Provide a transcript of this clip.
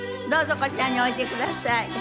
どうぞこちらにおいでください。